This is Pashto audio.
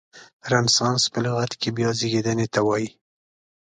رنسانس په لغت کې بیا زیږیدنې ته وایي.